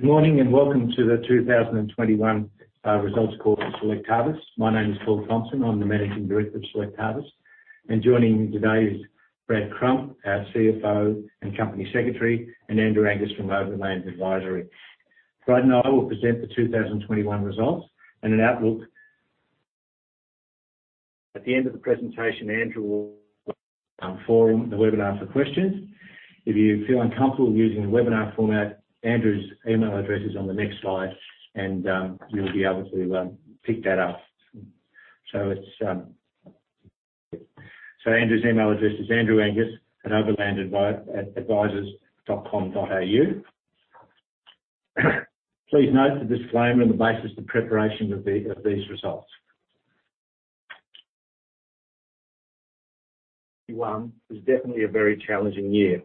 Good morning, and welcome to the 2021 results call for Select Harvests. My name is Paul Thompson. I'm the Managing Director of Select Harvests. Joining me today is Brad Crump, our CFO and Company Secretary, and Andrew Angus from Overland Advisers. Brad and I will present the 2021 results and an outlook. At the end of the presentation, Andrew will moderate the webinar for questions. If you feel uncomfortable using the webinar format, Andrew's email address is on the next slide, and you'll be able to pick that up. Andrew's email address is andrewangus@overlandadvisors.com.au. Please note the disclaimer and the basis of preparation of these results. It was definitely a very challenging year.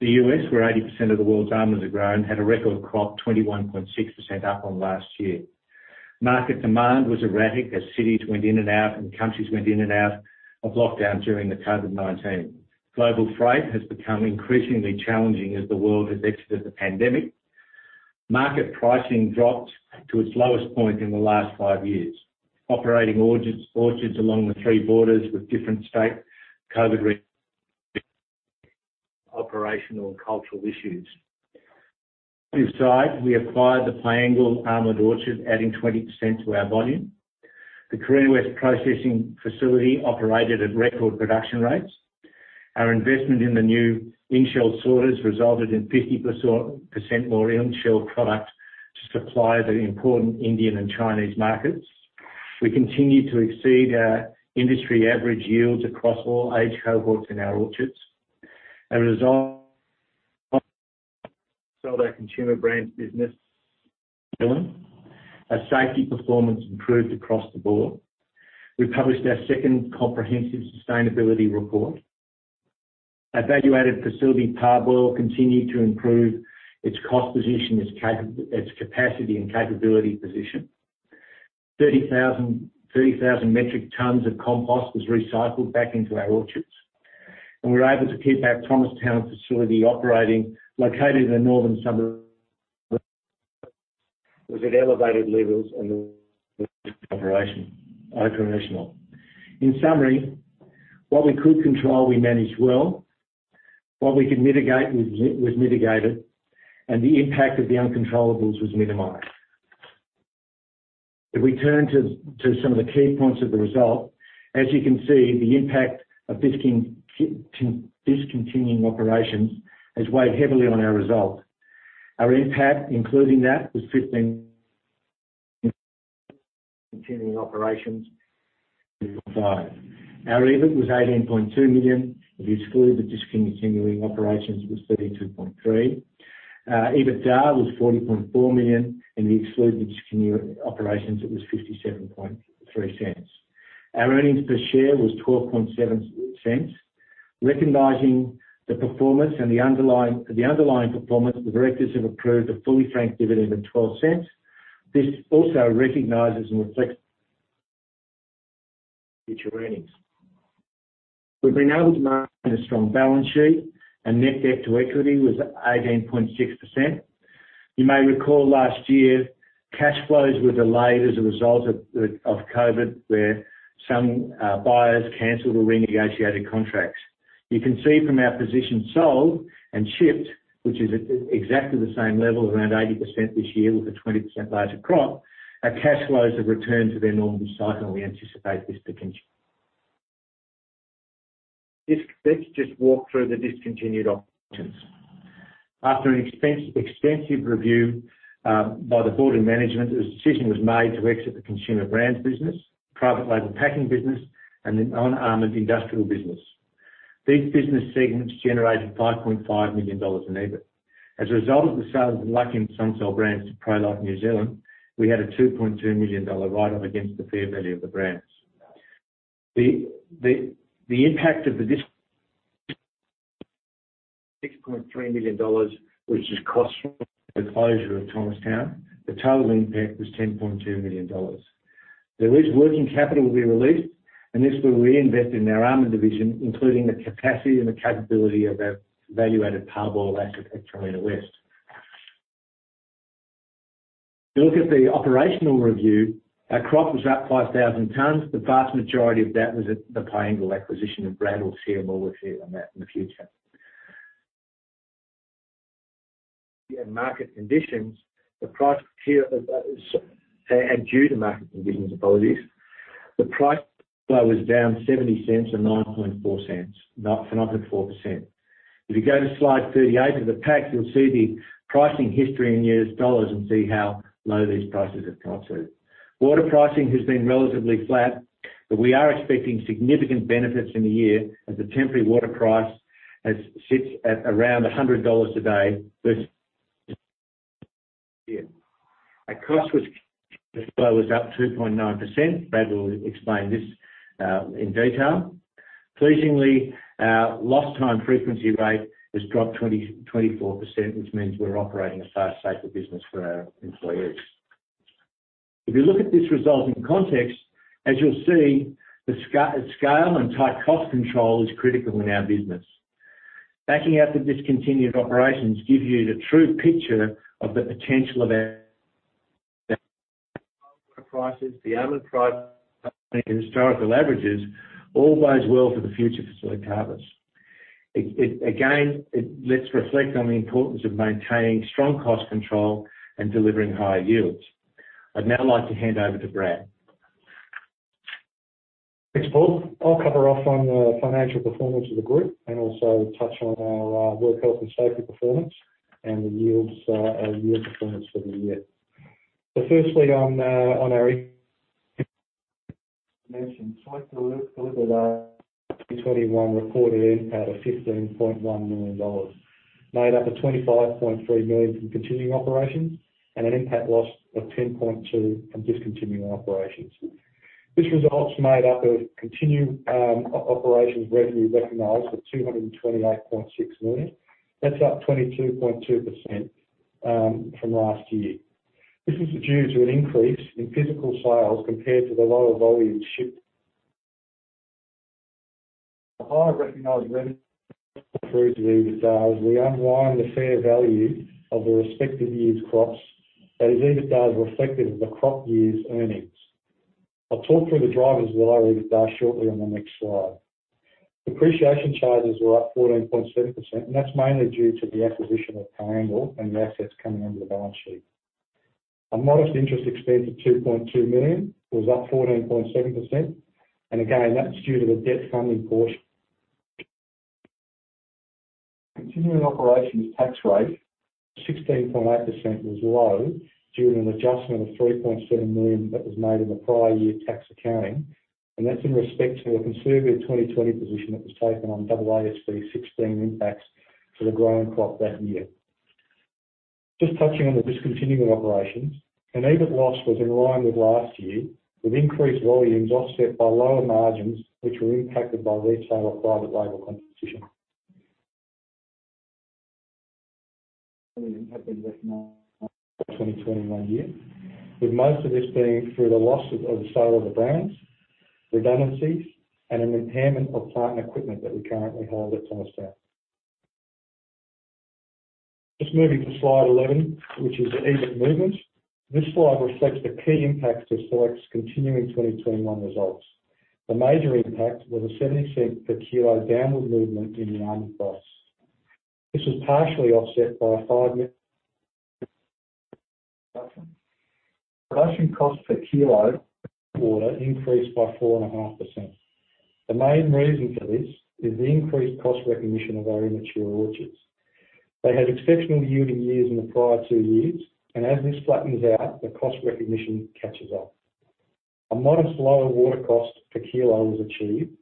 The U.S., where 80% of the world's almonds are grown, had a record crop 21.6% up on last year. Market demand was erratic as cities went in and out, and countries went in and out of lockdown during the COVID-19. Global freight has become increasingly challenging as the world has exited the pandemic. Market pricing dropped to its lowest point in the last five years. Operating orchards along the three borders with different state COVID restrictions, operational and cultural issues. Inside, we acquired the Piangil Almond Orchard, adding 20% to our volume. The Carina West processing facility operated at record production rates. Our investment in the new in-shell sorters resulted in 50% more in-shell product to supply the important Indian and Chinese markets. We continue to exceed our industry average yields across all age cohorts in our orchards. a result, we sold our consumer brands business. Our safety performance improved across the board. We published our second comprehensive sustainability report. Our value-added facility Parboil continued to improve its cost position, its capacity and capability position. 30,000 metric tons of compost was recycled back into our orchards, and we were able to keep our Thomastown facility operating, located in the northern suburb. Water was at elevated levels and the international operations. In summary, what we could control, we managed well, what we could mitigate was mitigated, and the impact of the uncontrollables was minimized. If we turn to some of the key points of the result, as you can see, the impact of discontinuing operations has weighed heavily on our results. Our NPAT, including that, was $15 million. Continuing operations $5 million. Our EBIT was $18.2 million. If you exclude the discontinued operations, it was $32.3 million. EBITDA was $40.4 million, and including the discontinued operations, it was $57.3 million. Our earnings per share was $0.127. Recognizing the performance and the underlying performance, the directors have approved a fully franked dividend of $0.12. This also recognizes and reflects the earnings. We've been able to manage a strong balance sheet, and net debt to equity was 18.6%. You may recall last year, cash flows were delayed as a result of COVID, where some buyers canceled or renegotiated contracts. You can see from our position sold and shipped, which is exactly the same level, around 80% this year with a 20% larger crop. Our cash flows have returned to their normal cycle, and we anticipate this to continue. Let's just walk through the discontinued operations. After an extensive review by the board and management, a decision was made to exit the consumer brands business, private label packing business, and the non-almond industrial business. These business segments generated $5.5 million in EBIT. As a result of the sale of the Lucky and Sunsol brands to Prolife Foods New Zealand, we had a $2.2 million write-off against the fair value of the brands. The impact was $6.3 million, which is closure costs of Thomastown. The total impact was $10.2 million. There is working capital that will be released, and this, we'll reinvest in our almond division, including the capacity and the capability of our value-added Parboil asset at Carina West. If you look at the operational review, our crop was up 5,000 tonnes. The vast majority of that was at the Piangil acquisition, and Brad will share more with you on that in the future. Market conditions, the price here, and due to market conditions, apologies. The price flow is down $0.70 or 9.4%. If you go to slide 38 of the pack, you'll see the pricing history in US dollars and see how low these prices have gone to. Water pricing has been relatively flat, but we are expecting significant benefits in the year as the temporary water price sits at around $100 a day this year. Our cost was, the flow was up 2.9%. Brad will explain this in detail. Pleasingly, our lost time frequency rate has dropped 24%, which means we're operating a far safer business for our employees. If you look at this result in context, as you'll see, the scale and tight cost control is critical in our business. Backing out the discontinued operations give you the true picture of the potential of our prices, the almond price historical averages all bodes well for the future facility harvest. It again, let's reflect on the importance of maintaining strong cost control and delivering high yields. I'd now like to hand over to Brad. Thanks, Paul. I'll cover off on the financial performance of the group and also touch on our work health and safety performance and the yields our year performance for the year. Firstly on our mentioned, Select Harvests delivered FY 2021 recorded NPAT of $15.1 million, made up of $25.3 million from continuing operations and an NPAT loss of $10.2 million from discontinued operations. This result's made up of continuing operations revenue recognized for $228.6 million. That's up 22.2% from last year. This is due to an increase in physical sales compared to the lower volumes shipped. The higher recognized revenue through to EBITDA, we unwind the fair value of the respective year's crops, as EBITDA is reflective of the crop year's earnings. I'll talk through the drivers of our EBITDA shortly on the next slide. Depreciation charges were up 14.7%, and that's mainly due to the acquisition of Piangil and the assets coming onto the balance sheet. A modest interest expense of $2.2 million was up 14.7%. Again, that's due to the debt funding portion. Continuing operations tax rate, 16.8% was low due to an adjustment of $3.7 million that was made in the prior year tax accounting, and that's in respect to a conservative 2020 position that was taken on AASB 16 impacts for the growing crop that year. Just touching on the discontinued operations, an EBIT loss was in line with last year, with increased volumes offset by lower margins, which were impacted by resale of private label compositions. Have been recognized in 2021, with most of this being through the loss on the sale of the brands, redundancies, and an impairment of plant and equipment that we currently hold at Thomastown. Moving to slide 11, which is EBIT movement. This slide reflects the key impacts to Select's continuing 2021 results. The major impact was a $0.70 per kilo downward movement in the almond price. This was partially offset by a 5%. Production cost per kilo increased by 4.5%. The main reason for this is the increased cost recognition of our immature orchards. They had exceptional yielding years in the prior two years, and as this flattens out, the cost recognition catches up. A modest lower water cost per kilo was achieved.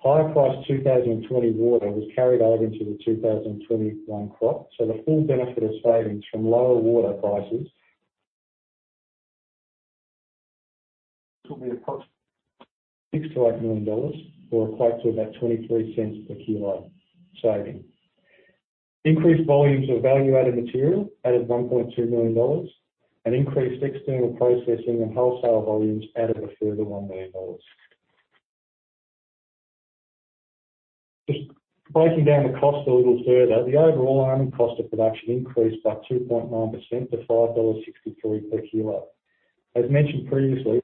Higher price 2020 water was carried over into the 2021 crop, so the full benefit of savings from lower water prices could be across $6 million-$8 million or equate to about $0.23 per kilo saving. Increased volumes of value-added material added $1.2 million and increased external processing and wholesale volumes added a further $1 million. Just breaking down the cost a little further, the overall almond cost of production increased by 2.9% to $5.63 per kilo. As mentioned previously.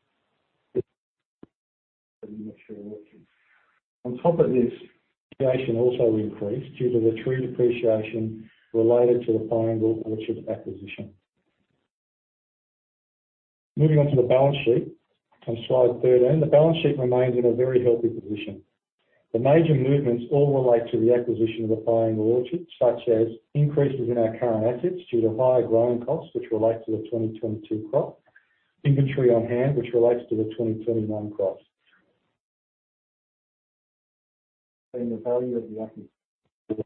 On top of this, depreciation also increased due to the tree depreciation related to the Piangil Orchard acquisition. Moving on to the balance sheet, on slide 13, the balance sheet remains in a very healthy position. The major movements all relate to the acquisition of the Piangil orchards, such as increases in our current assets due to higher growing costs, which relate to the 2022 crop, inventory on hand, which relates to the 2021 crops, the value of the acquisition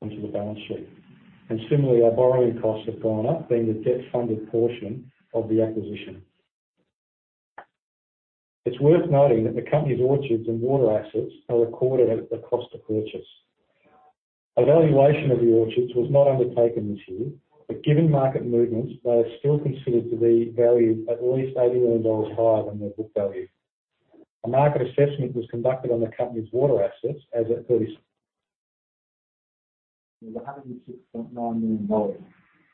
onto the balance sheet. Similarly, our borrowing costs have gone up, being the debt-funded portion of the acquisition. It's worth noting that the company's orchards and water assets are recorded at the cost of purchase. A valuation of the orchards was not undertaken this year, but given market movements, they are still considered to be valued at least $80 million higher than their book value. A market assessment was conducted on the company's water assets as at 30, valued at $106.9 million.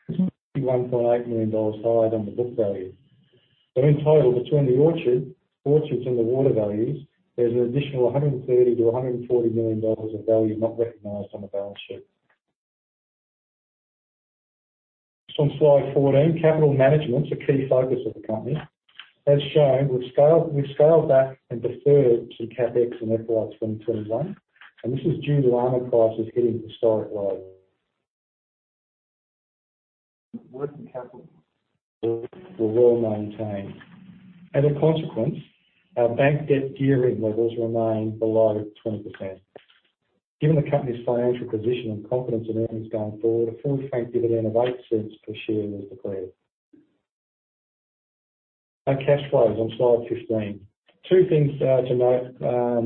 This is $1.8 million higher than the book value. In total, between the orchards and the water values, there's an additional $130 million-$140 million of value not recognized on the balance sheet. On slide 14, capital management is a key focus of the company. As shown, we've scaled back and deferred some CapEx in FY 2021, and this is due to almond prices hitting historic low. Working capital were well maintained. As a consequence, our bank debt gearing levels remain below 20%. Given the company's financial position and confidence in earnings going forward, a fully franked dividend of $0.08 per share was declared. Our cash flows on slide 15. Two things to note. They are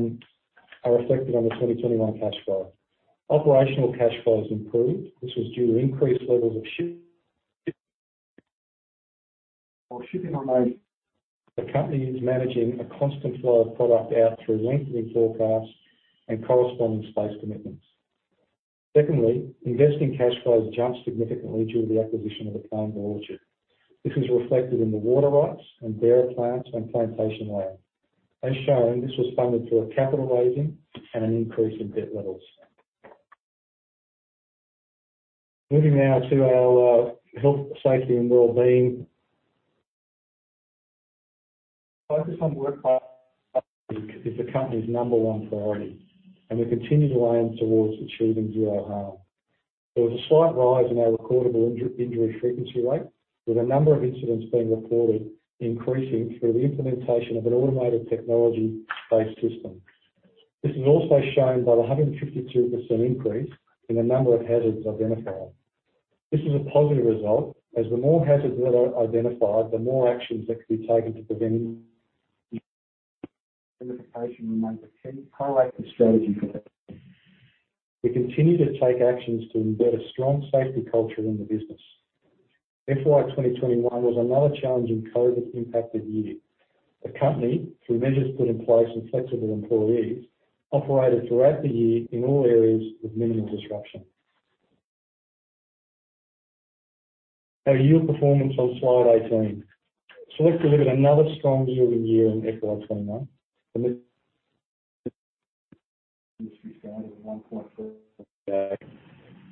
reflected on the 2021 cash flow. Operational cash flows improved. This was due to increased levels of shipping on those. The company is managing a constant flow of product out through lengthening forecasts and corresponding space commitments. Secondly, investing cash flows jumped significantly due to the acquisition of the Piangil orchard. This is reflected in the water rights and bearer plants and plantation land. As shown, this was funded through a capital raising and an increase in debt levels. Moving now to our health, safety, and well-being. Focus on workplace is the company's number one priority, and we continue to aim towards achieving zero harm. There was a slight rise in our recordable injury frequency rate, with a number of incidents being reported increasing through the implementation of an automated technology-based system. This is also shown by a 152% increase in the number of hazards identified. This is a positive result as the more hazards that are identified, the more actions that can be taken to prevent. Identification remains a key proactive strategy for the. We continue to take actions to embed a strong safety culture in the business. FY 2021 was another challenging COVID impacted year. The company, through measures put in place and flexible employees, operated throughout the year in all areas with minimal disruption. Our year performance on slide 18. Select delivered another strong year-on-year in FY 2021. This industry standard of 1.4.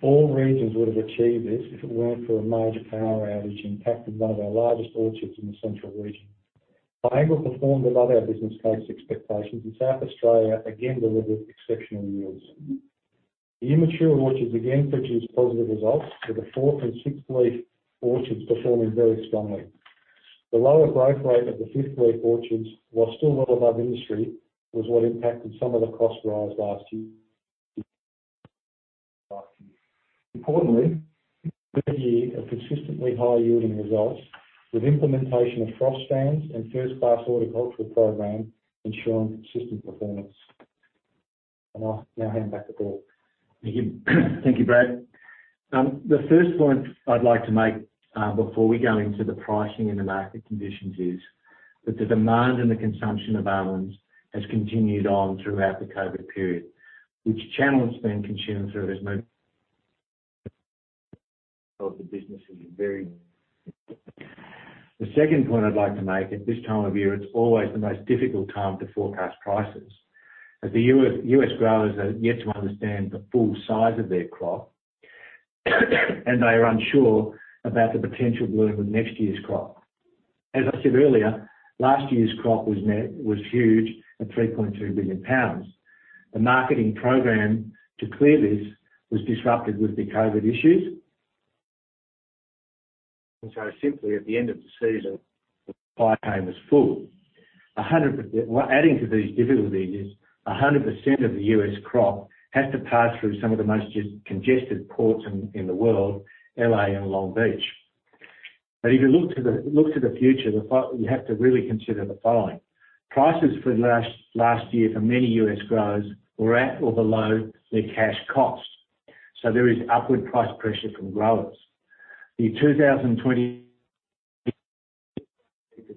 All regions would have achieved this if it weren't for a major power outage impacting one of our largest orchards in the central region. Pine Grove performed above our business case expectations, and South Australia again delivered exceptional yields. The immature orchards again produced positive results, with the fourth and sixth leaf orchards performing very strongly. The lower growth rate of the fifth leaf orchards, while still well above industry, was what impacted some of the cost rise last year. Importantly, a consistently high-yielding results, with implementation of frost fans and first-class horticultural program ensuring consistent performance. I'll now hand back to Paul. Thank you. Thank you, Brad. The first point I'd like to make, before we go into the pricing and the market conditions, is that the demand and the consumption of almonds has continued on throughout the COVID period, which channels then consume through as much of the business is very. The second point I'd like to make, at this time of year, it's always the most difficult time to forecast prices as the U.S. growers are yet to understand the full size of their crop, and they are unsure about the potential bloom of next year's crop. As I said earlier, last year's crop was huge at 3.2 billion lbs. The marketing program to clear this was disrupted with the COVID issues. Simply, at the end of the season, the pipeline was full. Adding to these difficulties is 100% of the U.S. crop has to pass through some of the most congested ports in the world, L.A. and Long Beach. If you look to the future, you have to really consider the following. Prices for last year for many U.S. growers were at or below their cash costs, so there is upward price pressure from growers. The 2020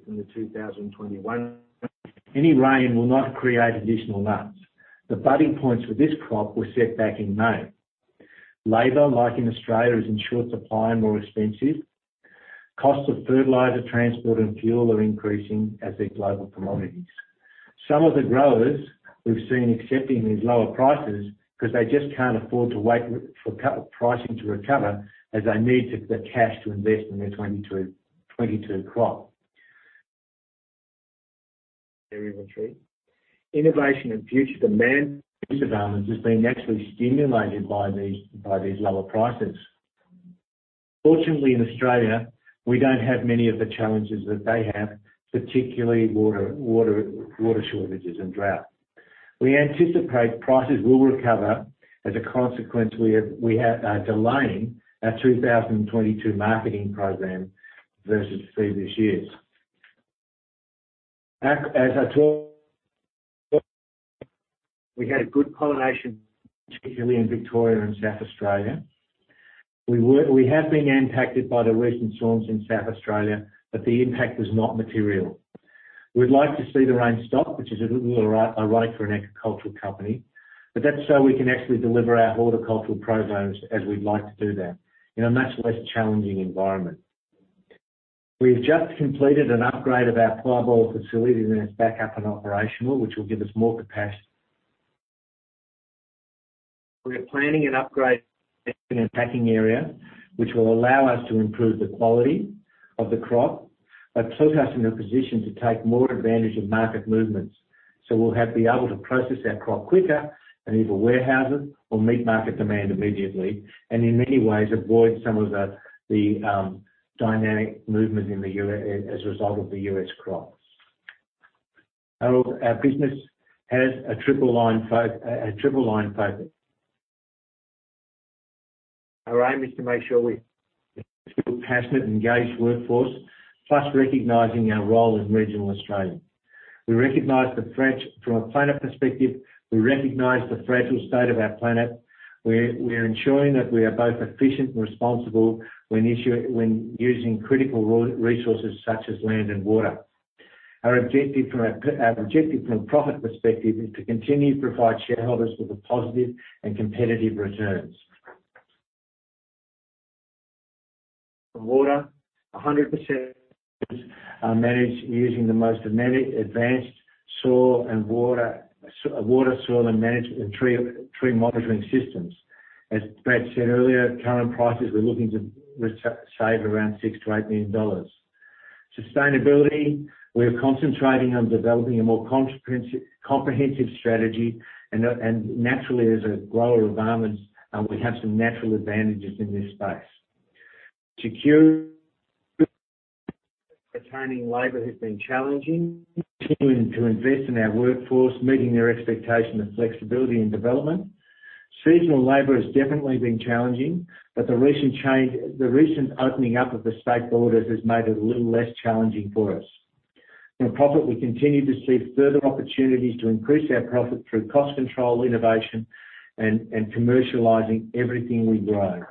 and the 2021. Any rain will not create additional nuts. The budding points for this crop were set back in May. Labor, like in Australia, is in short supply and more expensive. Costs of fertilizer, transport, and fuel are increasing as with global commodities. Some of the growers we've seen accepting these lower prices because they just can't afford to wait for pricing to recover as they need the cash to invest in their 2022 crop. Innovation and future demand for these almonds is being naturally stimulated by these lower prices. Fortunately, in Australia, we don't have many of the challenges that they have, particularly water shortages and drought. We anticipate prices will recover as a consequence. We are delaying our 2022 marketing program versus previous years. As we had good pollination, particularly in Victoria and South Australia. We have been impacted by the recent storms in South Australia, but the impact was not material. We'd like to see the rain stop, which is a little ironic for an agricultural company, but that's so we can actually deliver our horticultural programs as we'd like to do that in a much less challenging environment. We've just completed an upgrade of our Parboil facility, and it's back up and operational, which will give us more capacity. We are planning an upgrade in our packing area, which will allow us to improve the quality of the crop, but put us in a position to take more advantage of market movements. We'll be able to process our crop quicker and either warehouse it or meet market demand immediately, and in many ways avoid some of the dynamic movement in the U.S. as a result of the U.S. crop. Our business has a triple bottom line. Our aim is to make sure we have a passionate, engaged workforce, plus recognizing our role in regional Australia. From a planet perspective, we recognize the fragile state of our planet, where we are ensuring that we are both efficient and responsible when using critical resources such as land and water. Our objective from a profit perspective is to continue to provide shareholders with a positive and competitive returns. From a water perspective, 100% are managed using the most advanced soil and water management and tree monitoring systems. As Brad said earlier, at current prices, we're looking to save around $6 million-$8 million. On sustainability, we're concentrating on developing a more comprehensive strategy. Naturally, as a grower of almonds, we have some natural advantages in this space. Securing and retaining labor has been challenging, continuing to invest in our workforce, meeting their expectation and flexibility in development. Seasonal labor has definitely been challenging, but the recent opening up of the state borders has made it a little less challenging for us. In profit, we continue to see further opportunities to increase our profit through cost control, innovation, and commercializing everything we grow.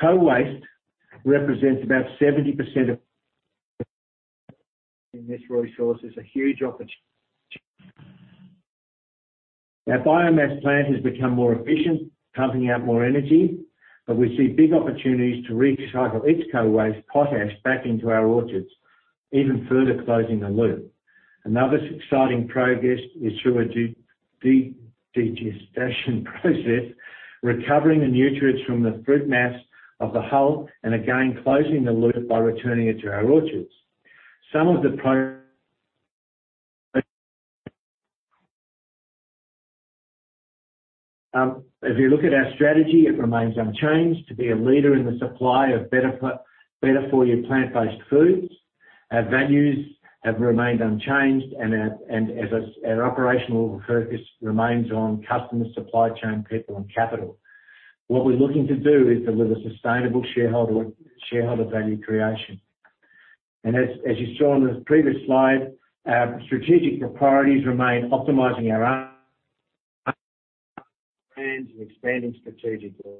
Co-waste represents about 70% of this resource is a huge opportunity. Our biomass plant has become more efficient, pumping out more energy, but we see big opportunities to recycle its co-waste potash back into our orchards, even further closing the loop. Another exciting progress is through a digestion process, recovering the nutrients from the fruit mass of the hull and again, closing the loop by returning it to our orchards. Some of the pros. If you look at our strategy, it remains unchanged to be a leader in the supply of better for you plant-based foods. Our values have remained unchanged and our operational focus remains on customer supply chain, people and capital. What we're looking to do is deliver sustainable shareholder value creation. As you saw on the previous slide, our strategic priorities remain optimizing our brands and expanding strategically.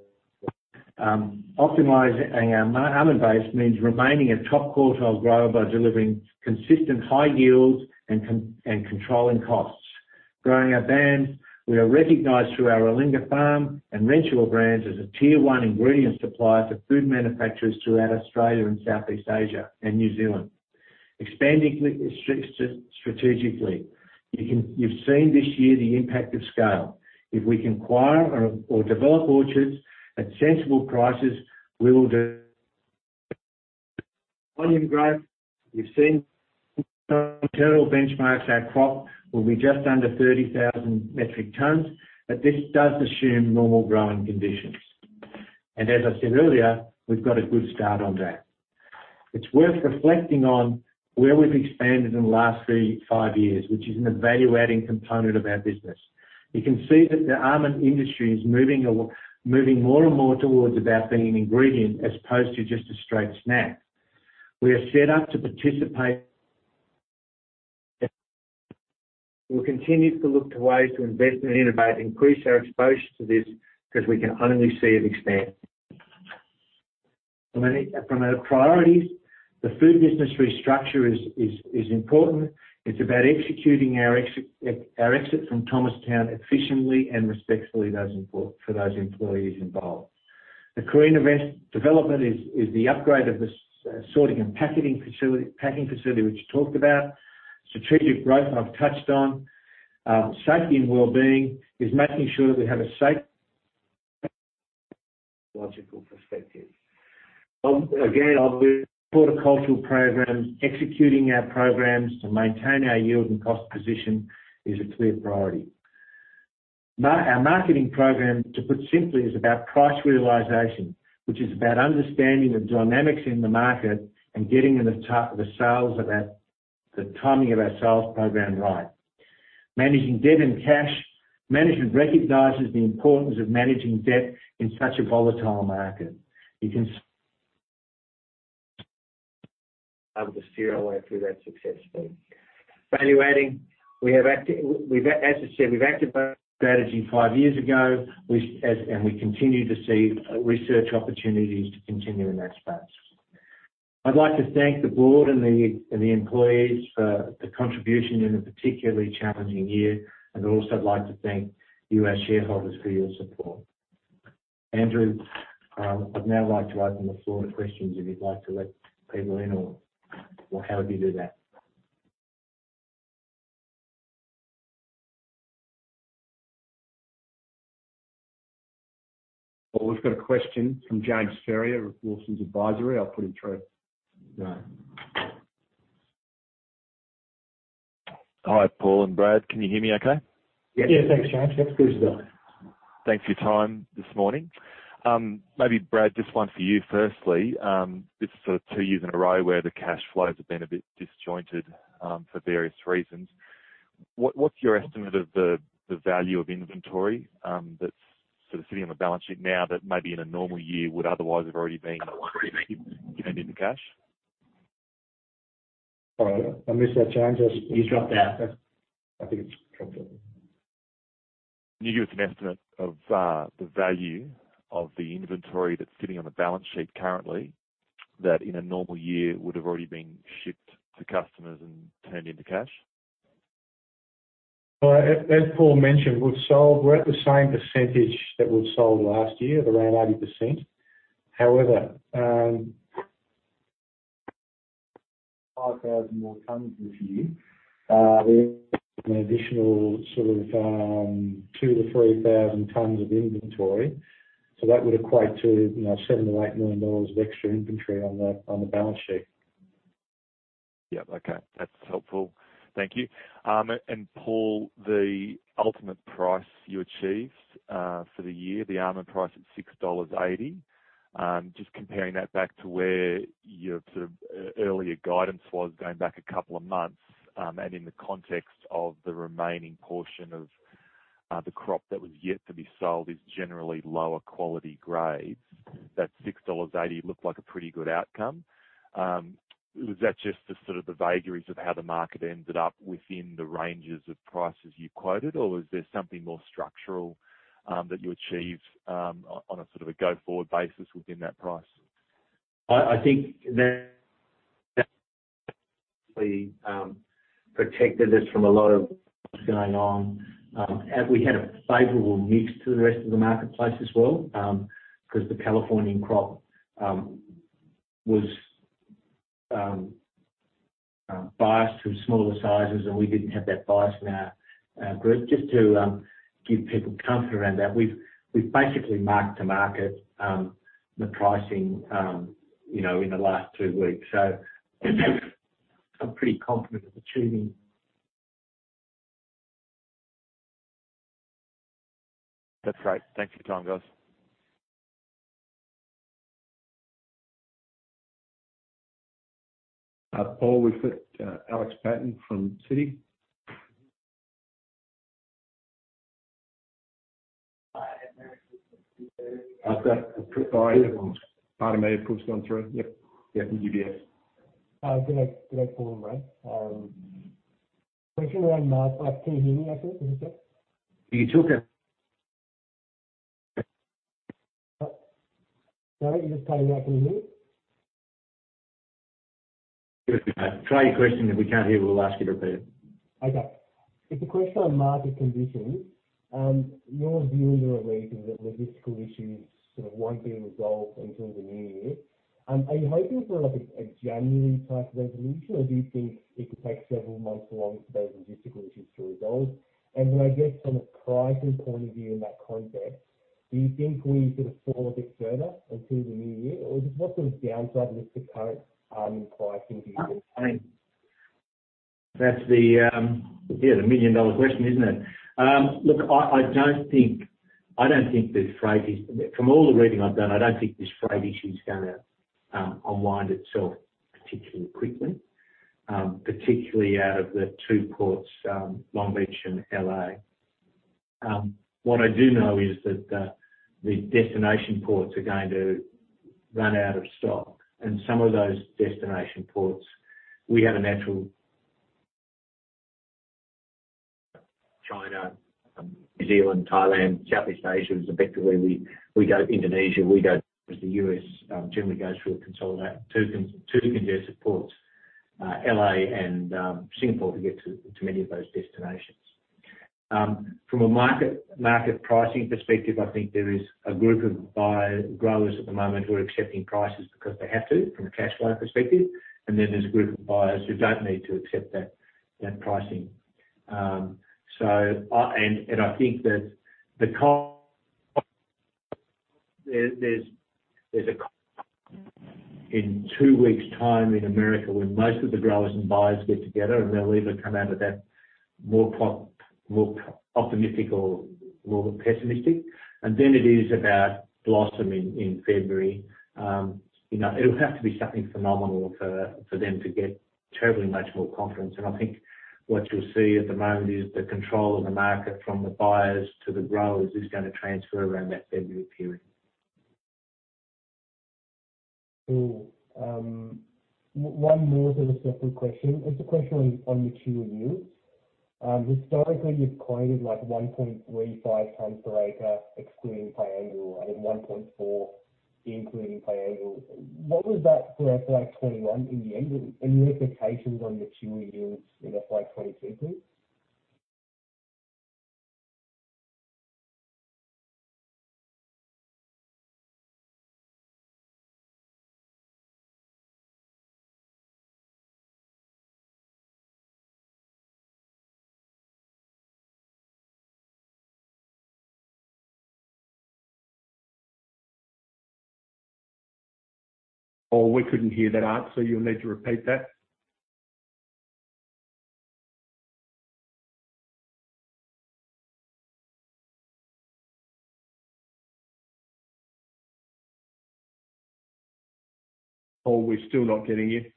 Optimizing our almond base means remaining a top quartile grower by delivering consistent high yields and controlling costs. Growing our brands, we are recognized through our Allinga Farms and Renshaw brands as a tier one ingredient supplier for food manufacturers throughout Australia and Southeast Asia and New Zealand. Expanding strategically, you've seen this year the impact of scale. If we can acquire or develop orchards at sensible prices, we will do. Volume growth, you've seen internal benchmarks. Our crop will be just under 30,000 metric tons, but this does assume normal growing conditions. As I said earlier, we've got a good start on that. It's worth reflecting on where we've expanded in the last three, five years, which is a value-adding component of our business. You can see that the almond industry is moving more and more towards about being an ingredient as opposed to just a straight snack. We are set up to participate. We'll continue to look to ways to invest and innovate, increase our exposure to this because we can only see it expand. From our priorities, the food business restructure is important. It's about executing our exit from Thomastown efficiently and respectfully for those employees involved. The Carina West development is the upgrade of the sorting and packing facility, which we talked about. Strategic growth, I've touched on. Safety and wellbeing is making sure that we have a safe logical perspective. Again, our horticultural program, executing our programs to maintain our yield and cost position is a clear priority. Our marketing program, to put simply, is about price realization, which is about understanding the dynamics in the market and getting the timing of our sales program right. Managing debt and cash. Management recognizes the importance of managing debt in such a volatile market. We can steer our way through that successfully. Value-adding, as I said, we've adopted strategy five years ago. We continue to see research opportunities to continue in that space. I'd like to thank the board and the employees for their contribution in a particularly challenging year. I'd also like to thank you, our shareholders, for your support. Andrew, I'd now like to open the floor to questions if you'd like to let people in or how would you do that? Well, we've got a question from James Ferrier of Wilsons Advisory. I'll put him through. Go on. Hi, Paul and Brad. Can you hear me okay? Yeah. Thanks, James. That's good. Thanks for your time this morning. Maybe Brad, just one for you, firstly. This is sort of two years in a row where the cash flows have been a bit disjointed, for various reasons. What's your estimate of the value of inventory that's sort of sitting on the balance sheet now that maybe in a normal year would otherwise have already been turned into cash? Sorry, I missed that, James. You dropped out. I think it's dropped out. Can you give us an estimate of, the value of the inventory that's sitting on the balance sheet currently that in a normal year would have already been shipped to customers and turned into cash? Well, as Paul mentioned, we're at the same percentage that we've sold last year of around 80%. However, 5,000 more tons this year, an additional sort of 2,000-3,000 tons of inventory. That would equate to, you know, $7 million-$8 million of extra inventory on the balance sheet. Yeah. Okay. That's helpful. Thank you. And Paul, the ultimate price you achieved for the year, the almond price at $6.80, just comparing that back to where your sort of earlier guidance was going back a couple of months, and in the context of the remaining portion of the crop that was yet to be sold is generally lower quality grades. That $6.80 looked like a pretty good outcome. Was that just the sort of vagaries of how the market ended up within the ranges of prices you quoted, or was there something more structural that you achieved on a sort of go-forward basis within that price? I think that we protected this from a lot of what's going on. We had a favorable mix to the rest of the marketplace as well, 'cause the Californian crop was biased to smaller sizes, and we didn't have that bias in our group. Just to give people comfort around that, we've basically marked to market the pricing, you know, in the last two weeks. I'm pretty confident of achieving. That's great. Thanks for your time, guys. Paul, we've got Alex Paton from Citi. Pardon me. Paul's gone through. Yep. Yep, from UBS. Good day. Good day, Paul and Brad. Can you hear me, actually? Is it better? You took a- Sorry. You're just cutting out for me. Give it a go. Try your question, if we can't hear, we'll ask you to repeat it. Okay. It's a question on market conditions. Your view is that logistical issues sort of won't be resolved until the new year. Are you hoping for like a January type resolution, or do you think it could take several months longer for those logistical issues to resolve? Then I guess from a pricing point of view in that context, do you think we sort of fall a bit further until the new year? Or just what's the downside risk to current pricing, do you think? That's the million-dollar question, isn't it? Look, I don't think this freight issue is gonna unwind itself particularly quickly, particularly out of the two ports, Long Beach and L.A. What I do know is that the destination ports are going to run out of stock. Some of those destination ports, we have a natural China, New Zealand, Thailand, Southeast Asia is effectively where we go to Indonesia, we go to the U.S., generally goes through a consolidator, two congested ports, L.A. and Singapore to get to many of those destinations. From a market pricing perspective, I think there is a group of buyers and growers at the moment who are accepting prices because they have to from a cash flow perspective, and then there's a group of buyers who don't need to accept that pricing. I think there's a conference in two weeks' time in America when most of the growers and buyers get together and they'll either come out of that more optimistic or more pessimistic. Then it is about blossom in February. You know, it'll have to be something phenomenal for them to get terribly much more confidence. I think what you'll see at the moment is the control of the market from the buyers to the growers is gonna transfer around that February period. Cool. One more sort of separate question. It's a question on your kernel yields. Historically, you've quoted like 1.35 tons per acre excluding Piangil and 1.4 including Piangil. What was that for FY 2021 in the end and your expectations on your kernel yields in FY 2022, please? Oh, we couldn't hear that, Art, so you'll need to repeat that. Paul, we're still not getting you.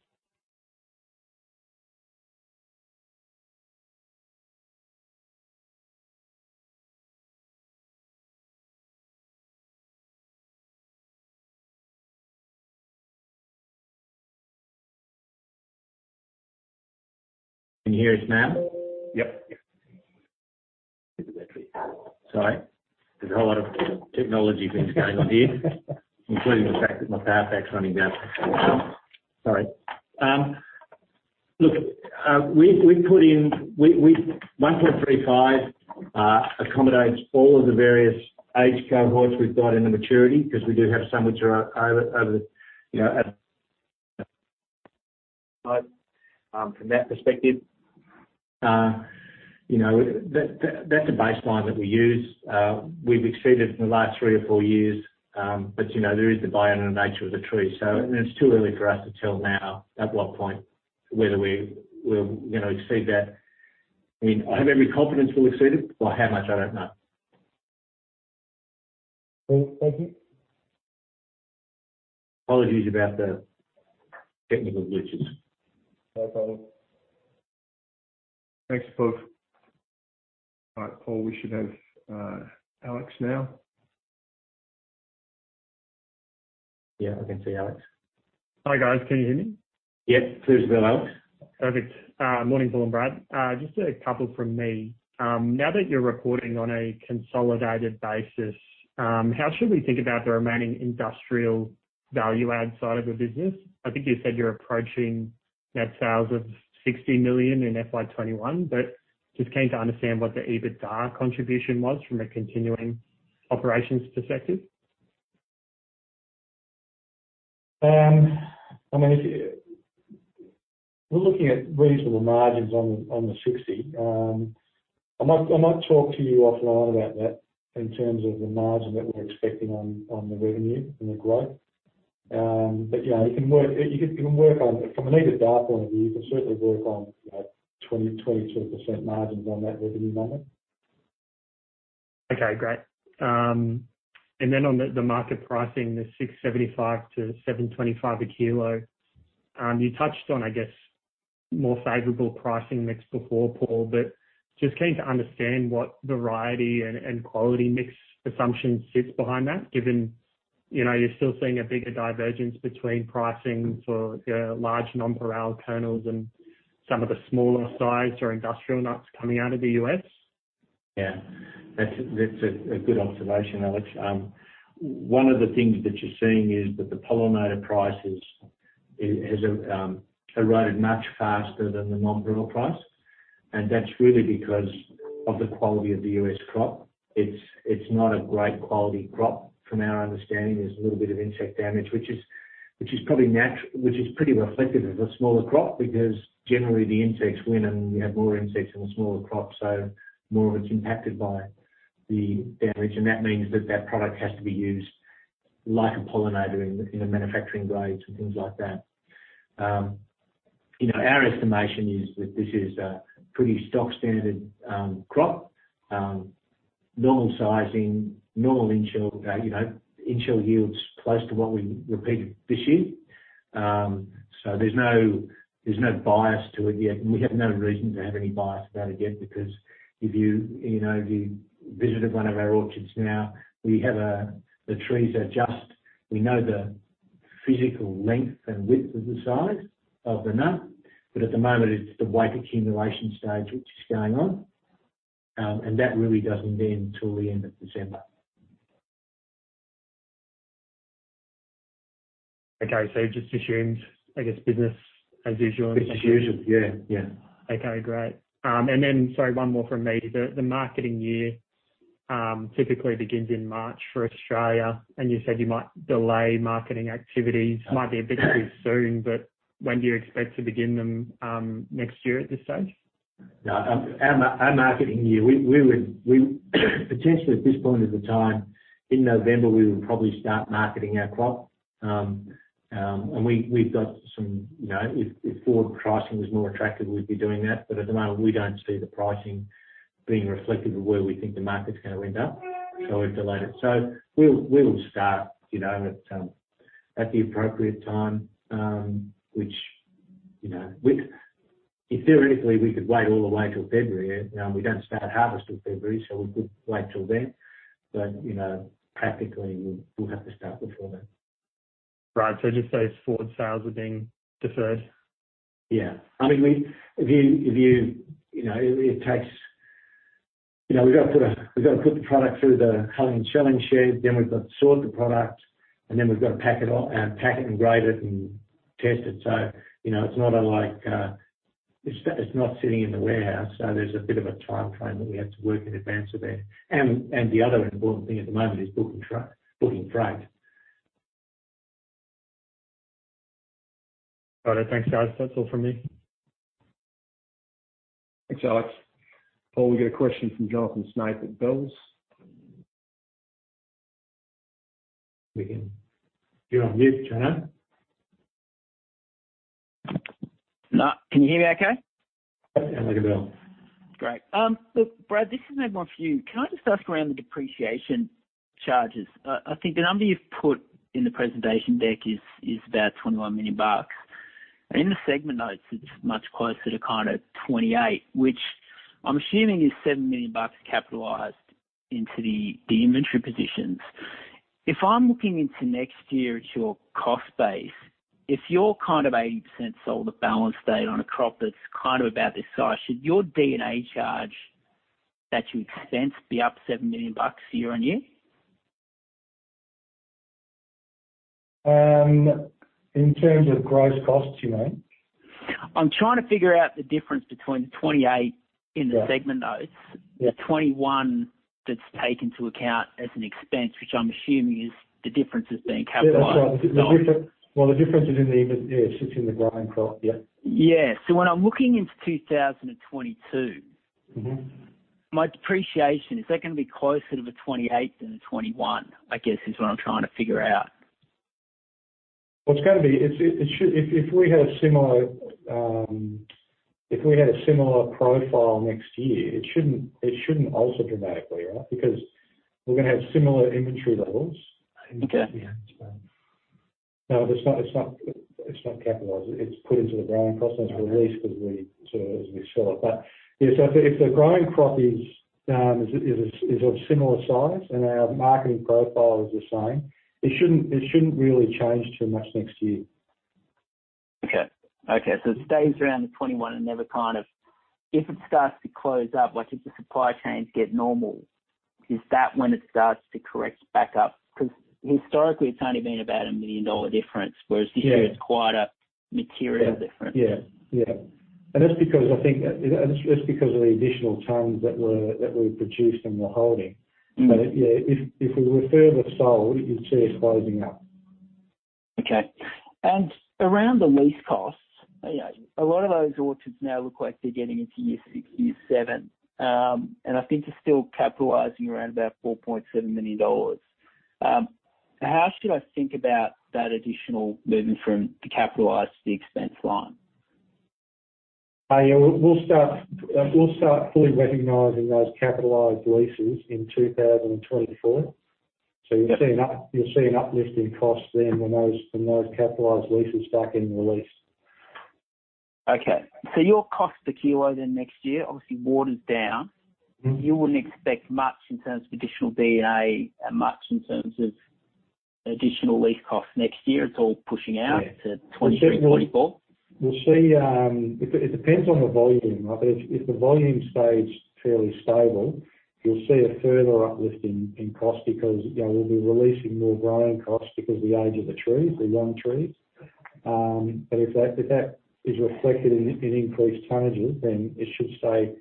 Can you hear us now? Yep. Sorry. There's a whole lot of technology things going on here, including the fact that my power bank's running down. Sorry. Look, we've put in 1.35, which accommodates all of the various age cohorts we've got in the maturity because we do have some which are over, you know, at from that perspective. You know, that's a baseline that we use. We've exceeded it in the last three or four years, but you know, there is the biennial nature of the tree, so it's too early for us to tell now at what point whether we will, you know, exceed that. I mean, I have every confidence we'll exceed it, by how much I don't know. Thank you. Apologies about the technical glitches. No problem. Thanks, Paul. All right, Paul, we should have Alex now. Yeah, I can see Alex. Hi, guys. Can you hear me? Yep. Clear as a bell, Alex. Perfect. Morning, Paul and Brad. Just a couple from me. Now that you're reporting on a consolidated basis, how should we think about the remaining industrial value-add side of the business? I think you said you're approaching net sales of $60 million in FY 2021, but just keen to understand what the EBITDA contribution was from a continuing operations perspective. I mean, we're looking at reasonable margins on the 60. I might talk to you offline about that in terms of the margin that we're expecting on the revenue and the growth. You know, you can work on from an EBITDA point of view, you can certainly work on, you know, 20%-22% margins on that revenue number. Okay, great. Then on the market pricing, the $675-$725 a kilo, you touched on, I guess, more favorable pricing mix before, Paul, but just keen to understand what variety and quality mix assumption sits behind that, given, you know, you're still seeing a bigger divergence between pricing for, you know, large nonpareil kernels and some of the smaller size or industrial nuts coming out of the U.S. Yeah. That's a good observation, Alex. One of the things that you're seeing is that the pollinator price has eroded much faster than the nonpareil price, and that's really because of the quality of the U.S. crop. It's not a great quality crop from our understanding. There's a little bit of insect damage, which is pretty reflective of a smaller crop because generally the insects win and you have more insects in a smaller crop, so more of it's impacted by the damage. That means that product has to be used like a pollinator in, you know, manufacturing grades and things like that. You know, our estimation is that this is a pretty stock standard crop, normal sizing, normal in-shell, you know, in-shell yields close to what we reported this year. There's no bias to it yet, and we have no reason to have any bias about it yet because if you know, if you visited one of our orchards now, the trees are just. We know the physical length and width of the size of the nut, but at the moment it's the weight accumulation stage which is going on, and that really doesn't end till the end of December. Okay. You've just assumed, I guess business as usual. Business as usual. Yeah. Yeah. Okay, great. Sorry, one more from me. The marketing year typically begins in March for Australia, and you said you might delay marketing activities. Might be a bit too soon, but when do you expect to begin them next year at this stage? Yeah. Our marketing year, we would potentially at this point of the time, in November, we would probably start marketing our crop. We've got some, you know, if forward pricing was more attractive, we'd be doing that. But at the moment, we don't see the pricing being reflective of where we think the market's gonna end up, so we've delayed it. We'll start, you know, at the appropriate time, which, you know, we could theoretically wait all the way till February. We don't start harvest till February, so we could wait till then. You know, practically, we'll have to start before that. Right. I'd just say forward sales are being deferred. Yeah. I mean, if you know, it takes. You know, we've got to put the product through the hulling and shelling sheds, then we've got to sort the product, and then we've got to pack it all and grade it and test it. So, you know, it's not unlike. It's not sitting in the warehouse, so there's a bit of a timeframe that we have to work in advance of that. The other important thing at the moment is booking truck, booking freight. Righto. Thanks, guys. That's all from me. Thanks, Alex. Paul, we get a question from Jonathan Snape at Bell Potter. You're on mute, Jonathan. No. Can you hear me okay? Yeah, like a bell. Great. Look, Brad, this is maybe more for you. Can I just ask around the depreciation charges? I think the number you've put in the presentation deck is about $21 million. In the segment notes, it's much closer to kind of 28, which I'm assuming is $7 million capitalized into the inventory positions. If I'm looking into next year at your cost base, if you're kind of 80% sold at balance date on a crop that's kind of about this size, should your D&A charge that you expense be up $7 million year-on-year? In terms of gross costs, you mean? I'm trying to figure out the difference between the 28 in the segment notes. Yeah. the 21 that's taken into account as an expense, which I'm assuming is the difference that's being capitalized. Yeah, that's right. Well, the difference is in the inventory. Yeah, it sits in the growing crop, yeah. When I'm looking into 2022- Mm-hmm. My depreciation, is that gonna be closer to the 28 than the 21, I guess is what I'm trying to figure out? Well, it's gonna be. If we had a similar profile next year, it shouldn't alter dramatically, right? Because we're gonna have similar inventory levels. Okay. No, it's not capitalized. It's put into the growing process. All right. Released as we sell it. Yeah, so if the growing crop is of similar size and our marketing profile is the same, it shouldn't really change too much next year. Okay. It stays around the 21 and never kind of if it starts to close up, like if the supply chains get normal, is that when it starts to correct back up? 'Cause historically, it's only been about a $1 million difference, whereas- Yeah. This year it's quite a material difference. Yeah. Yeah. That's because I think, you know, that's just because of the additional tons that we produced and we're holding. Mm-hmm. Yeah, if it were further sold, you'd see it closing up. Okay. Around the lease costs, you know, a lot of those orchards now look like they're getting into year six, year seven, and I think they're still capitalizing around about $4.7 million. How should I think about that additional moving from the capitalized to the expense line? Yeah, we'll start fully recognizing those capitalized leases in 2024. Okay. You'll see an uplift in costs then when those capitalized leases start getting released. Okay. Your cost per kilo then next year obviously waters down. Mm-hmm. You wouldn't expect much in terms of additional D&A and much in terms of additional lease costs next year. It's all pushing out. Yeah. to 2023, 2024? We'll see, it depends on the volume, right? If the volume stays fairly stable, you'll see a further uplift in cost because, you know, we'll be releasing more growing costs because the age of the trees, the young trees. If that is reflected in increased tonnages, then it should stay,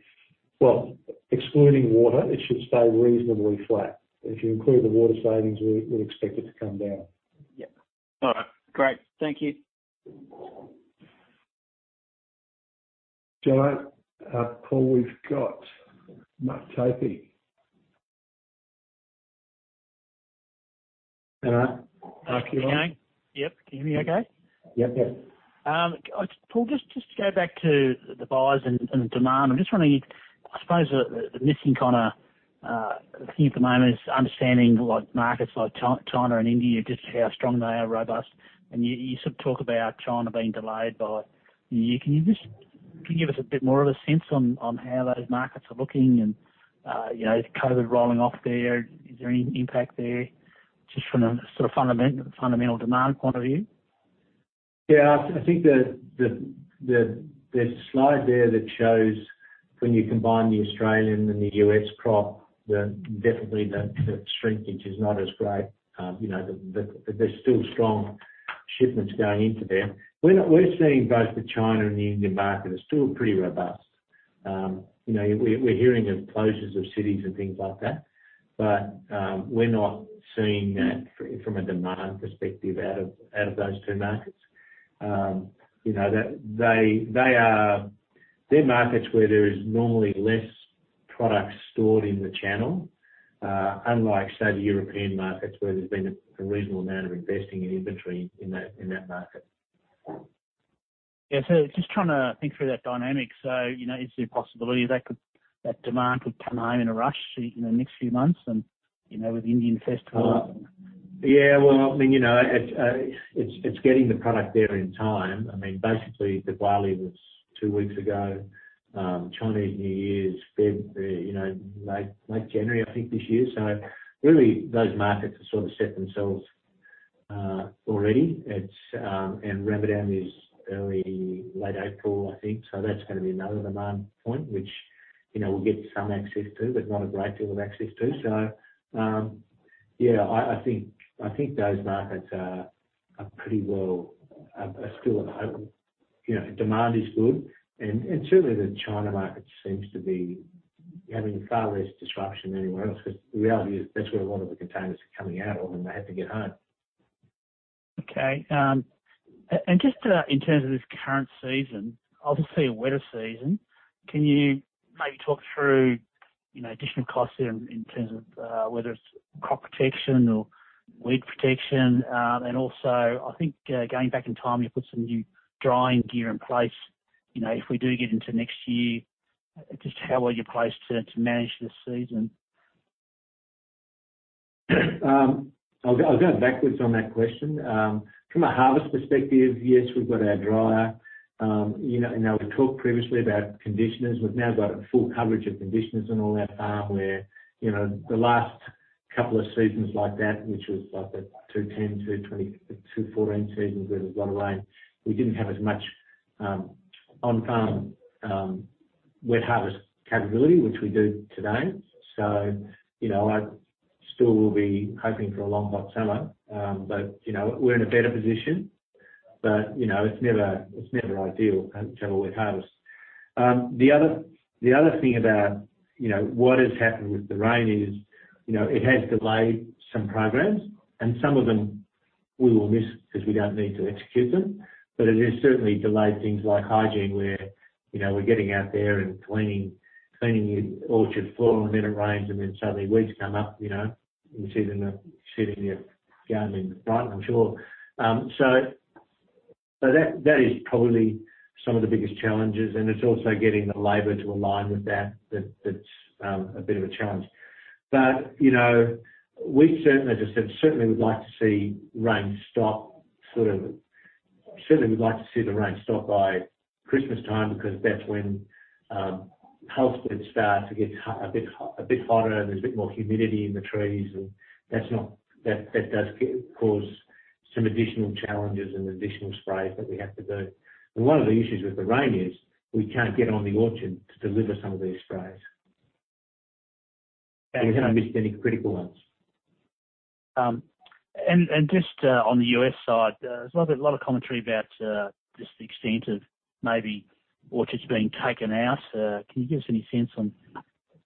well, excluding water, it should stay reasonably flat. If you include the water savings, we'd expect it to come down. Yeah. All right. Great. Thank you. John, Paul, we've got Mark Tobin. Hello? Mark, are you on? How you going? Yep. Can you hear me okay? Yep. Yeah. Paul, just to go back to the buyers and demand. I'm just wondering, I suppose the missing kind of thing at the moment is understanding what markets like China and India just how strong they are, robust. You sort of talk about China being delayed by you. Can you give us a bit more of a sense on how those markets are looking, and you know, is COVID rolling off there? Is there any impact there? Just from a sort of fundamental demand point of view. I think the slide there that shows when you combine the Australian and the U.S. crop, definitely the shrinkage is not as great. There's still strong shipments going into them. We're seeing both the China and the Indian market are still pretty robust. We're hearing of closures of cities and things like that, but we're not seeing that from a demand perspective out of those two markets. They're markets where there is normally less products stored in the channel, unlike, say, the European markets, where there's been a reasonable amount of investing in inventory in that market. Yeah. Just trying to think through that dynamic. You know, is there a possibility that demand could come home in a rush, you know, in the next few months and, you know, with the Indian festival? Yeah. Well, I mean, you know, it's getting the product there in time. I mean, basically, Diwali was two weeks ago. Chinese New Year is late January, I think, this year. Really, those markets have sort of set themselves already. Ramadan is early to late April, I think. That's gonna be another demand point which, you know, we'll get some access to, but not a great deal of access to. Yeah, I think those markets are pretty well still available. You know, demand is good and certainly the China market seems to be having far less disruption than anywhere else, 'cause the reality is that's where a lot of the containers are coming out of, and they have to get home. Okay. Just in terms of this current season, obviously a wetter season, can you maybe talk through, you know, additional costs in terms of whether it's crop protection or weed protection. Also I think, going back in time, you put some new drying gear in place, you know, if we do get into next year, just how are you placed to manage this season? I'll go backwards on that question. From a harvest perspective, yes, we've got our dryer. You know, now we talked previously about conditioners. We've now got a full coverage of conditioners on all our farm where, you know, the last couple of seasons like that, which was like the 2010, 2020, 2014 seasons, where there was a lot of rain. We didn't have as much on-farm wet harvest capability, which we do today. You know, I still will be hoping for a long, hot summer. You know, we're in a better position. You know, it's never ideal to have all wet harvest. The other thing about, you know, what has happened with the rain is, you know, it has delayed some programs, and some of them we will miss 'cause we don't need to execute them. It has certainly delayed things like hygiene where, you know, we're getting out there and cleaning the orchard floor, and then it rains, and then suddenly weeds come up. You know, you see them sitting there going, "Right, I'm sure." So that is probably some of the biggest challenges, and it's also getting the labor to align with that's a bit of a challenge. You know, we certainly, as I said, would like to see rain stop, sort of. Certainly we'd like to see the rain stop by Christmas time because that's when pulse fruit starts to get a bit hot, a bit hotter, and there's a bit more humidity in the trees, and that does cause some additional challenges and additional sprays that we have to do. One of the issues with the rain is we can't get on the orchard to deliver some of these sprays. We haven't missed any critical ones. Just on the U.S. side, there's a lot of commentary about just the extent of maybe orchards being taken out. Can you give us any sense on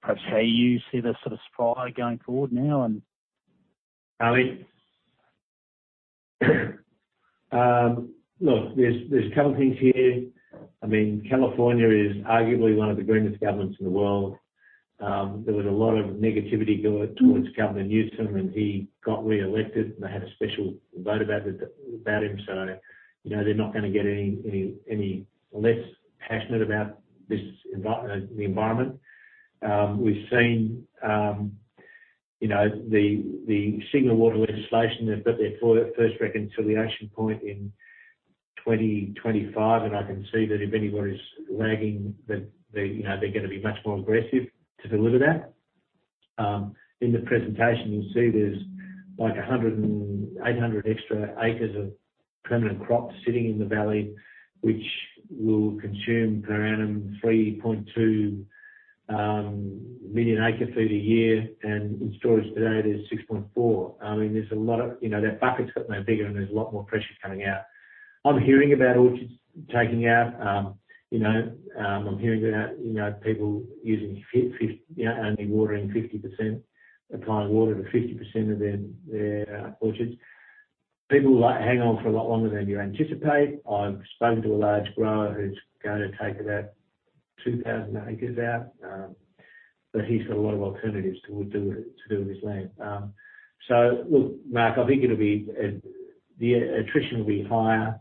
perhaps how you see the sort of supply going forward now and? Look, there's a couple things here. I mean, California is arguably one of the greenest governments in the world. There was a lot of negativity going towards Governor Newsom, and he got reelected, and they had a special vote about him. You know, they're not gonna get any less passionate about the environment. We've seen you know, the SGMA water legislation. They've got their first reconciliation point in 2025, and I can see that if anyone is lagging, that they, you know, they're gonna be much more aggressive to deliver that. In the presentation, you'll see there's like 100, 800 extra acres of permanent crops sitting in the valley, which will consume per annum 3.2 million acre-feet a year, and in storage today it is 6.4. I mean, there's a lot of, you know, that bucket's got no bigger, and there's a lot more pressure coming out. I'm hearing about orchards taking out. I'm hearing about people using only watering 50%, applying water to 50% of their orchards. People like hang on for a lot longer than you anticipate. I've spoken to a large grower who's gonna take about 2,000 acres out, but he's got a lot of alternatives to do with his land. Look, Mark, I think it'll be the attrition will be higher.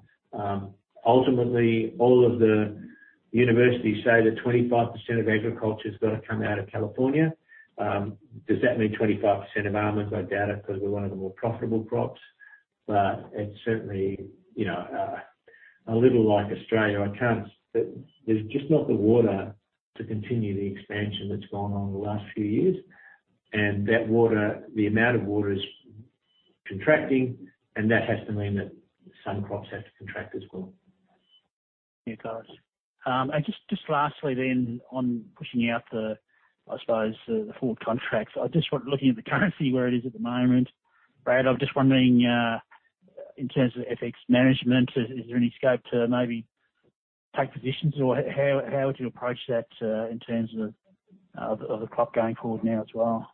Ultimately, all of the universities say that 25% of agriculture's gotta come out of California. Does that mean 25% of almonds? I doubt it, 'cause we're one of the more profitable crops. It's certainly, you know, a little like Australia. There's just not the water to continue the expansion that's gone on in the last few years. That water, the amount of water is contracting, and that has to mean that some crops have to contract as well. Yeah, guys. Just lastly on pushing out the forward contracts, I suppose. I was just looking at the currency where it is at the moment. Brad, I'm just wondering in terms of FX management, is there any scope to maybe take positions or how would you approach that in terms of the crop going forward now as well?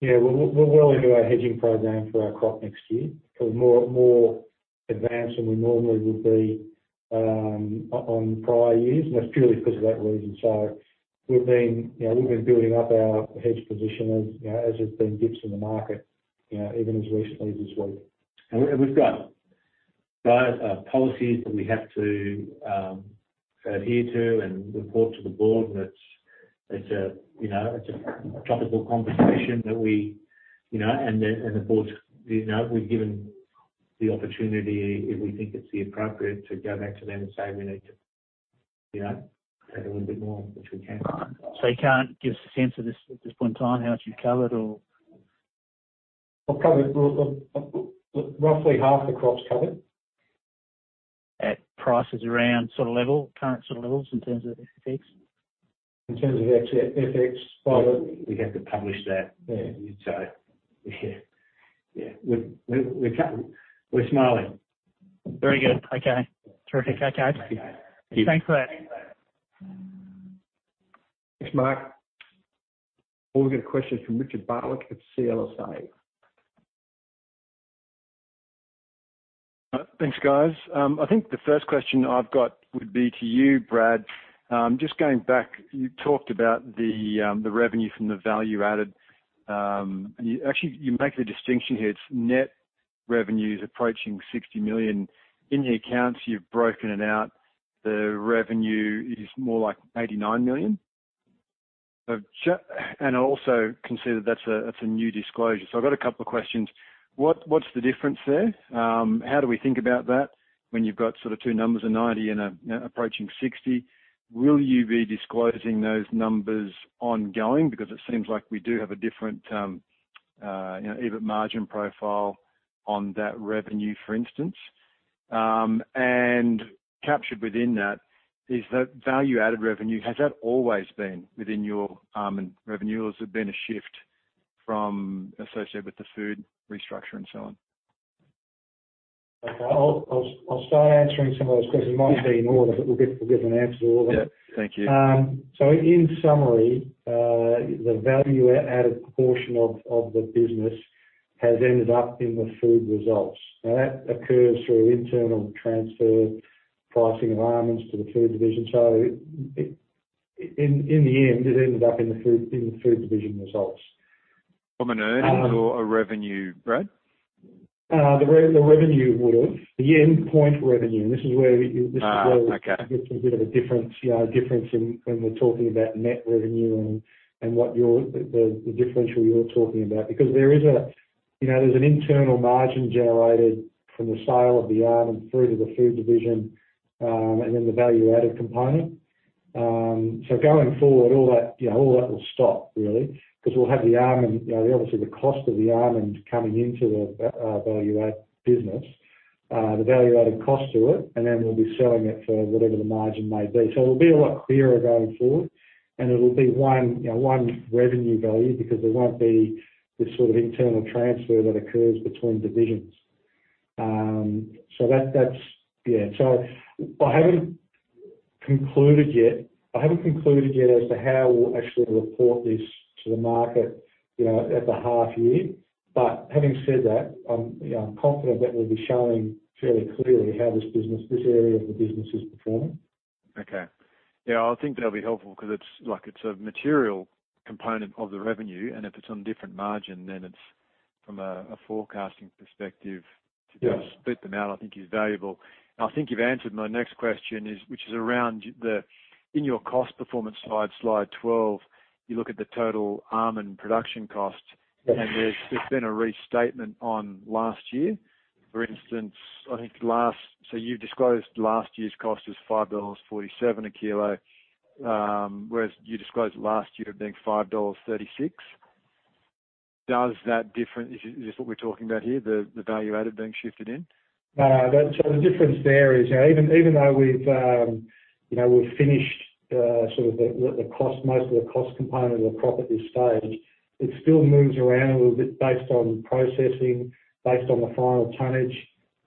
Yeah, we're well into our hedging program for our crop next year. More advanced than we normally would be on prior years, and that's purely because of that reason. We've been, you know, building up our hedge position as, you know, as there's been dips in the market, you know, even as recently as this week. We've got policies that we have to adhere to and report to the board. It's a topical conversation that we, you know, and the board, you know, we're given the opportunity if we think it's the appropriate to go back to them and say, we need to, you know, take a little bit more, which we can. You can't give us a sense at this point in time how it's covered or? Well, roughly half the crop's covered. At prices around sort of level, current sort of levels in terms of FX? In terms of FX, well, we have to publish that. Yeah. Yeah. We're smiling. Very good. Okay. Terrific. Okay. Yeah. Thanks for that. Thanks, Mark. We'll get a question from Richard Barwick at CLSA. Thanks, guys. I think the first question I've got would be to you, Brad. Just going back, you talked about the revenue from the value added. Actually, you make the distinction here, it's net revenue approaching $60 million. In the accounts you've broken it out, the revenue is more like $89 million. Also consider that's a new disclosure. I've got a couple of questions. What's the difference there? How do we think about that when you've got sort of two numbers, a 90 and approaching 60? Will you be disclosing those numbers ongoing? Because it seems like we do have a different, you know, EBIT margin profile on that revenue, for instance. Captured within that is the value-added revenue. Has that always been within your revenue, or has there been a shift from associated with the food restructure and so on? Okay. I'll start answering some of those questions. Mightn't be in order, but we'll give an answer to all of them. Yeah. Thank you. In summary, the value-added portion of the business has ended up in the food results. Now that occurs through internal transfer pricing of almonds to the food division. In the end, it ended up in the food division results. From an earnings or a revenue, Brad? The revenue would have. The endpoint revenue, this is where Okay. It gets a bit of a difference, you know, in when we're talking about net revenue and what you're the differential you're talking about. Because there is, you know, there's an internal margin generated from the sale of the almond through to the food division and then the value-added component. So going forward, all that, you know, all that will stop really because we'll have the almond, you know, obviously the cost of the almond coming into the value add business, the value-added cost to it, and then we'll be selling it for whatever the margin may be. So it'll be a lot clearer going forward, and it'll be one, you know, one revenue value because there won't be the sort of internal transfer that occurs between divisions. So that's. Yeah. I haven't concluded yet as to how we'll actually report this to the market, you know, at the half year. Having said that, I'm, you know, I'm confident that we'll be showing fairly clearly how this business, this area of the business is performing. Okay. Yeah, I think that'll be helpful 'cause it's like it's a material component of the revenue, and if it's on different margin then it's from a forecasting perspective- Yeah. To split them out I think is valuable. I think you've answered my next question is, which is around the in your cost performance slide 12, you look at the total almond production cost. Yes. There's been a restatement on last year. For instance, I think you've disclosed last year's cost as $5.47 a kilo, whereas you disclosed it last year as being $5.36. Does that differ? Is this what we're talking about here, the value-added being shifted in? No. The difference there is, you know, even though we've finished sort of the cost, most of the cost component of the crop at this stage, it still moves around a little bit based on processing, based on the final tonnage,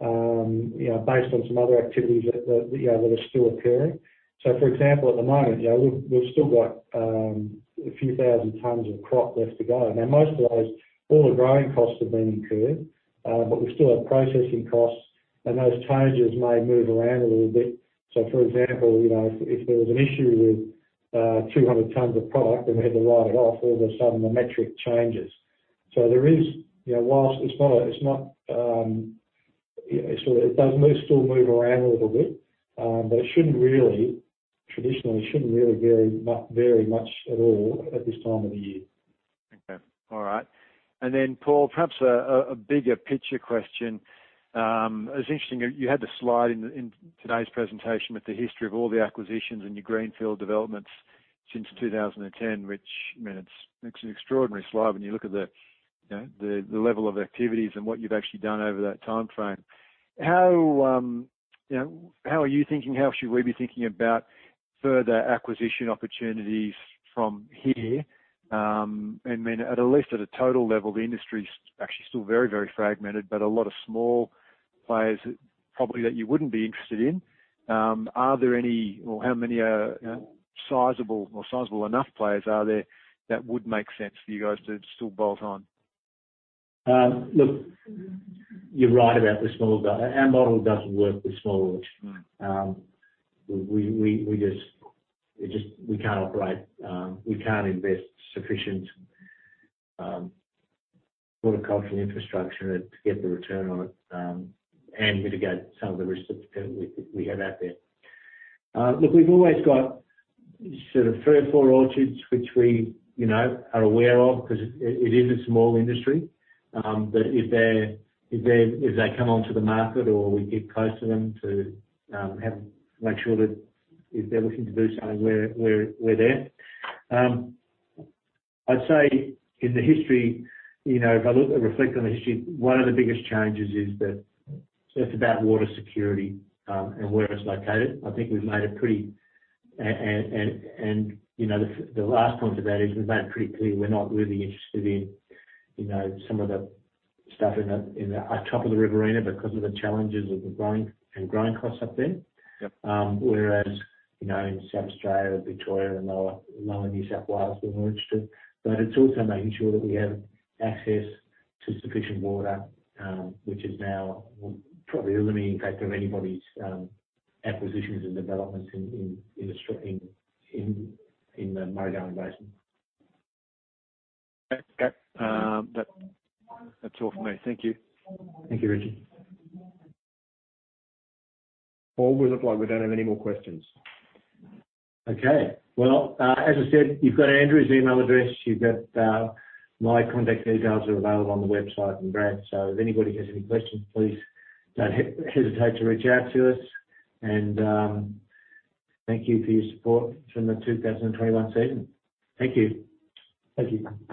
you know, based on some other activities that are still occurring. For example, at the moment, you know, we've still got a few thousand tons of crop left to go. Now, most of those, all the growing costs have been incurred, but we still have processing costs and those tonnages may move around a little bit. For example, you know, if there was an issue with 200 tons of product and we had to write it off, all of a sudden the metric changes. There is, you know, while it's not sort of. It does still move around a little bit, but it shouldn't really traditionally vary very much at all at this time of the year. Paul, perhaps a bigger picture question. It was interesting, you had the slide in today's presentation with the history of all the acquisitions and your greenfield developments since 2010, which, I mean, it's an extraordinary slide when you look at the, you know, the level of activities and what you've actually done over that timeframe. How, you know, how are you thinking, how should we be thinking about further acquisition opportunities from here? I mean, at least at a total level, the industry's actually still very, very fragmented, but a lot of small players probably that you wouldn't be interested in. Are there any or how many, you know, sizable or sizable enough players are there that would make sense for you guys to still bolt on? Our model doesn't work with small orchards. Right. We just can't invest sufficient horticultural infrastructure to get the return on it, and mitigate some of the risks that we have out there. Look, we've always got sort of three or four orchards which we, you know, are aware of because it is a small industry. If they come onto the market or we get close to them to make sure that if they're looking to do something, we're there. I'd say in the history, you know, if I reflect on the history, one of the biggest changes is that it's about water security, and where it's located. I think we've made it pretty. you know, the last point to that is we've made it pretty clear we're not really interested in, you know, some of the stuff in the up top of the Riverina because of the challenges of the growing costs up there. Yep. Whereas, you know, in South Australia, Victoria, and lower New South Wales, we're more interested. It's also making sure that we have access to sufficient water, which is now probably the limiting factor of anybody's acquisitions and developments in the Murray-Darling Basin. Okay. That's all from me. Thank you. Thank you, Richie. Paul, we look like we don't have any more questions. Okay. Well, as I said, you've got Andrew's email address, you've got my contact details are available on the website and Brad. If anybody has any questions, please don't hesitate to reach out to us and thank you for your support from the 2021 season. Thank you. Thank you.